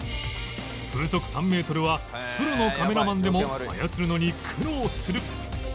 風速３メートルはプロのカメラマンでも操るのに苦労する